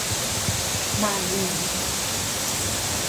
บ่ายหนึ่ง